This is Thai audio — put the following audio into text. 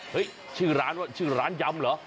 ชื่อร้านว่าชื่อร้านยำเหรอ